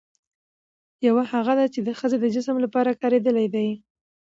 يوهغه دي، چې د ښځې د جسم لپاره کارېدلي دي